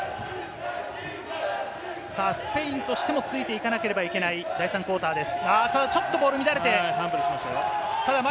スペインとしてもついていかなければいけない第３クオーターです。